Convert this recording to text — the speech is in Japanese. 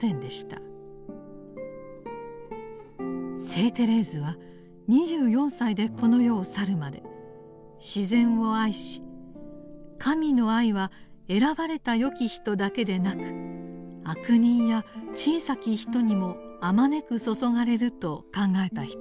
聖テレーズは２４歳でこの世を去るまで自然を愛し神の愛は選ばれた善き人だけでなく悪人や小さき人にもあまねく注がれると考えた人でした。